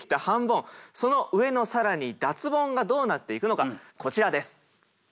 その上の更に脱ボンがどうなっていくのかこちらです。